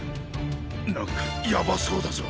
なんかヤバそうだぞ。